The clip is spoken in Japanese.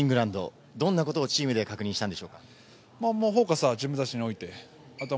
対イングランドどんなことをチームで確認したんでしょうか。